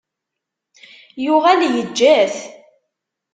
Yuɣal yejja-t.